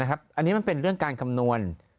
อันนี้มันเป็นเรื่องการคำนวณ